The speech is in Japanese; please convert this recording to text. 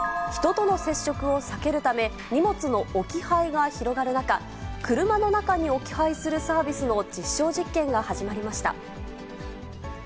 人との接触を避けるため、荷物の置き配が広がる中、車の中に置き配するサービスの実証実験が始まりました。